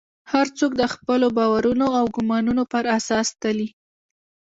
هر څوک د خپلو باورونو او ګومانونو پر اساس تلي.